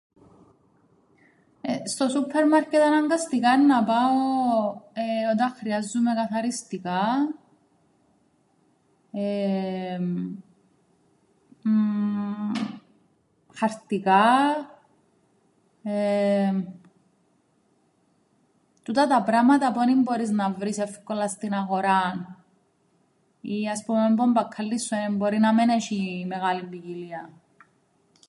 Στο σούππερμαρκετ αναγκαστικά εννά πάω όταν χρειάζουμαι καθαριστικά, εεε χαρτικά. Τούτα τα πράματα που εν ι-μπόρεις να βρεις εύκολα στην αγοράν ή ας πούμεν που ο μπακκάλλης σου μπορεί να μεν έσ̆ει μεγάλην ποικιλίαν.